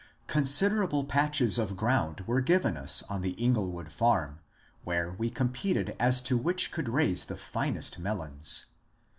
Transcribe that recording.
Considerable patches of ground were given us on the Inglewood farm, where we competed as to which could raise the finest melons.